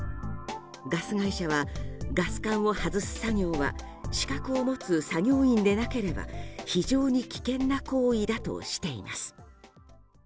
ガス会社はガス管を外す作業は資格を持つ作業員でなければ非常に危険な行為だとしています。